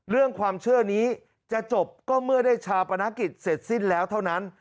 เรื่องความเชื่อนี้จะจบก็เมื่อได้ชาปนกิจเสร็จสิ้นแล้วเท่านั้น